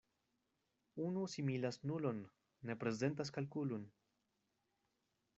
Unu similas nulon, ne prezentas kalkulon.